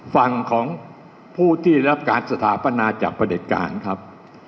ฝั่งของผู้ที่รับการสถาปนาจากประเด็จการครับ